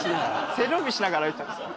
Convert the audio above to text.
背伸びしながら歩いてたんですよ